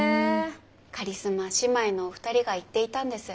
カリスマ姉妹のお二人が言っていたんです。